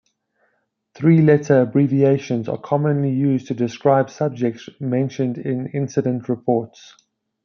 Three letter abbreviations are commonly used to describe subjects mentioned in incident reports.